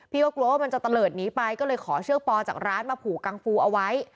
กลัวว่ามันจะตะเลิศหนีไปก็เลยขอเชือกปอจากร้านมาผูกังฟูเอาไว้